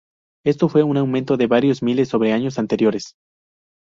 Esto fue un aumento de varios miles sobre años anteriores.